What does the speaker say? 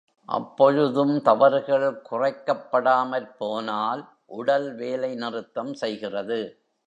அப்பொழுதும் தவறுகள் குறைக்கப்படாமற்போனால், உடல் வேலை நிறுத்தம் செய்கிறது.